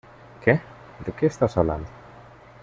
¿ Qué? ¿ de qué estás hablando ?